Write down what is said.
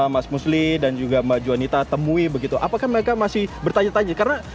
mas musli dan juga mbak juanita temui begitu apakah mereka masih bertanya tanya karena